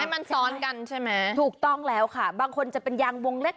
มันซ้อนกันใช่ไหมถูกต้องแล้วค่ะบางคนจะเป็นยางวงเล็ก